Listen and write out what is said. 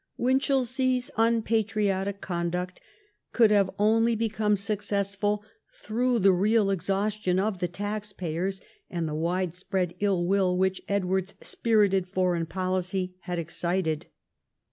Winchelsea's unpatriotic conduct could have only become successful through the real exhaustion of the tax payers and the widespread ill will which Edward's spirited foreign policy had excited.